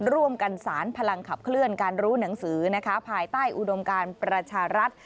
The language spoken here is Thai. ร่วมกันสารพลังขับเคลื่อนการรู้หนังสือภายใต้อุดมการประชารัฐ